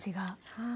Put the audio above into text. はい。